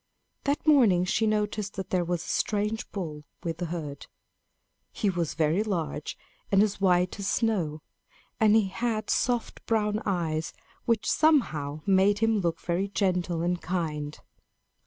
That morning she noticed that there was a strange bull with the herd. He was very large and as white as snow; and he had soft brown eyes which somehow made him look very gentle and kind.